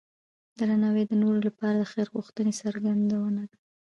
درناوی د نورو لپاره د خیر غوښتنې څرګندونه ده.